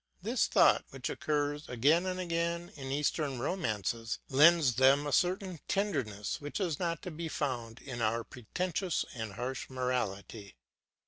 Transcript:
This thought, which occurs again and again in eastern romances, lends them a certain tenderness which is not to be found in our pretentious and harsh morality.